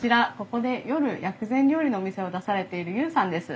ここで夜薬膳料理のお店を出されている悠さんです。